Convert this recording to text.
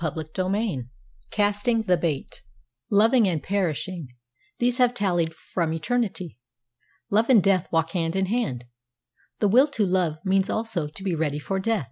CHAPTER VIII CASTING THE BAIT Loving and perishing: these have tallied from eternity. Love and death walk hand in hand. The will to love means also to be ready for death.